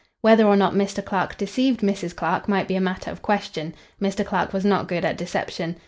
Whether or not Mr. Clark deceived Mrs. Clark might be a matter of question. Mr. Clark was not good at deception.